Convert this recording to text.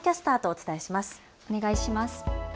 お願いします。